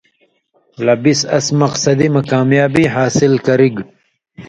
لہ بِس اس مقصدی مہ کامیابی حاصل کرِگ۔